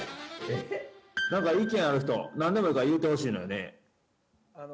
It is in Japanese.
何か意見ある人、何でもいいから言ってほしいのよね。